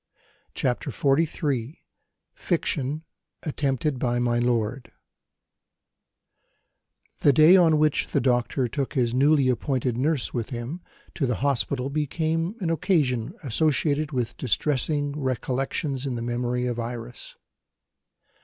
CHAPTER XLIII FICTION: ATTEMPTED BY MY LORD THE day on which the doctor took his newly appointed nurse with him to the hospital became an occasion associated with distressing recollections in the memory of Iris.